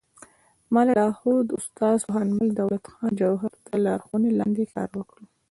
ما د لارښود استاد پوهنمل دولت خان جوهر تر لارښوونې لاندې کار وکړ